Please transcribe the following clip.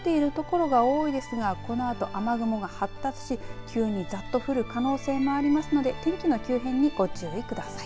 今は晴れているところが多いですがこのあと雨雲が発達し急にざっと降る可能性もありますので天気の急変にご注意ください。